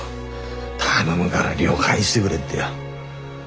頼むがら亮返してくれってよ。